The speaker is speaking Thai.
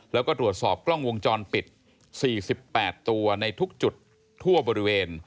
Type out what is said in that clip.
แล้วก็ตรวจสอบกล้องวงจรปิด๔๘ตัวในทุกจุดทั่วบริเวณ